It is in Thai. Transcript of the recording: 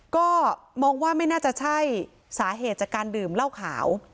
ก็มองว่าไม่น่าจะใช่สาเหตุจากการดื่มเหล้าขาว